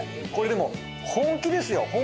これでも本気ですよ